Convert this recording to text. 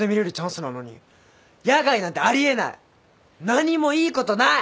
何もいいことない！